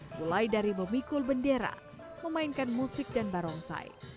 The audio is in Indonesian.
mulai dari memikul bendera memainkan musik dan barongsai